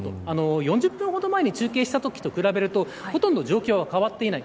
４０分ほど前に中継したときと比べるとほとんど状況は変わっていない。